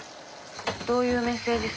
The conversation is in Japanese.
どういうメッセージ性？